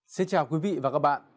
xin chào quý vị và các bạn